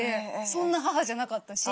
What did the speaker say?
そんな母じゃなかったし。